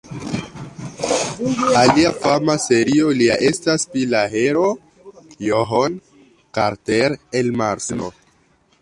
Alia fama serio lia estas pri la heroo John Carter el Marso.